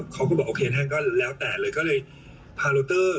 เขาเลยพา